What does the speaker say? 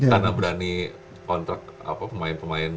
karena berani kontrak pemain pemain